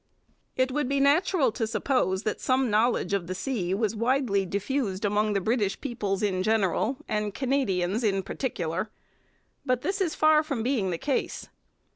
It would be natural to suppose that some knowledge of the sea was widely diffused among the British peoples in general and Canadians in particular. But this is far from being the case.